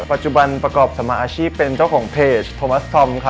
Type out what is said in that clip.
ปัจจุบันประกอบสมาอาชีพเป็นเจ้าของเพจโฮมัสทอมครับ